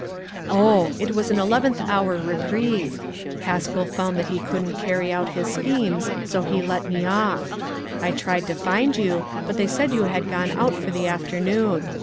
"Oh! it was an eleventh hour reprieve. Haskell found that he couldn't carry out his schemes, so he let me off. I tried to find you, but they said you had gone out for the afternoon.